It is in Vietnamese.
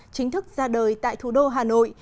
chính thức ra đời tại thủ đô hà nội